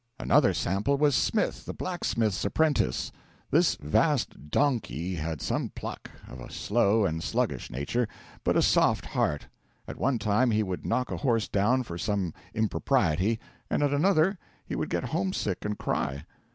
Another sample was Smith, the blacksmith's apprentice. This vast donkey had some pluck, of a slow and sluggish nature, but a soft heart; at one time he would knock a horse down for some impropriety, and at another he would get homesick and cry.